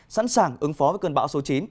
sẵn sàng ứng phó với cơn bão số chín